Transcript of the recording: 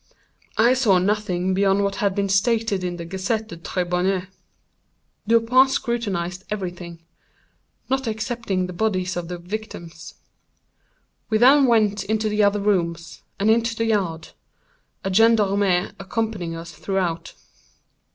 I saw nothing beyond what had been stated in the "Gazette des Tribunaux." Dupin scrutinized every thing—not excepting the bodies of the victims. We then went into the other rooms, and into the yard; a gendarme accompanying us throughout.